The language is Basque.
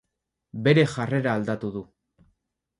Bere jarrera aldatu du.